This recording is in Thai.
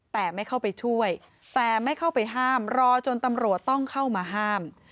แต่ไม่เข้าไปช่วยแต่ไม่เข้าไปห้ามรอจนตำรวจต้องเข้ามาห้าม